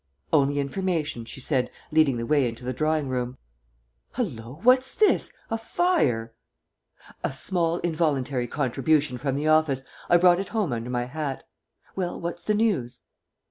"Only information," she said, leading the way into the drawing room. "Hallo, what's this? A fire!" "A small involuntary contribution from the office. I brought it home under my hat. Well, what's the news?"